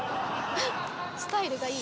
スタイルがいい。